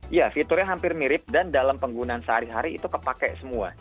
iya fiturnya hampir mirip dan dalam penggunaan sehari hari itu kepake semua